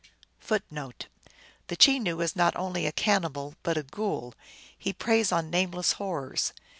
1 1 The Chenoo is not only a cannibal, but a ghoul. He preys on nameless horrors.